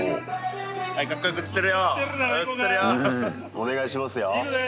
お願いしますよ。